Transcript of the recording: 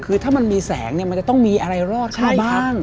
คือถ้ามีแสงก็จะต้องมีอะไรรอบค่าบ้าง